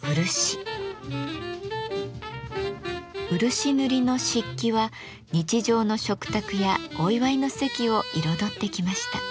漆塗りの漆器は日常の食卓やお祝いの席を彩ってきました。